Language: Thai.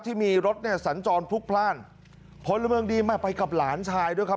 ที่มีรถเนี่ยสัญจรพลุกพลาดพลเมืองดีมาไปกับหลานชายด้วยครับ